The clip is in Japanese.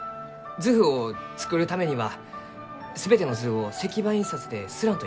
図譜を作るためには全ての図を石版印刷で刷らんといかん。